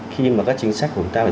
khi mà các chính sách của người ta